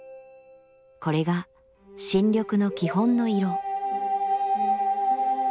これが新緑の基本の色。